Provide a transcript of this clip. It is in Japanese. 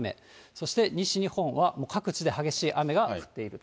そして西日本は各地で激しい雨が降っていると。